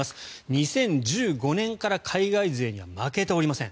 ２０１５年から海外勢に負けておりません。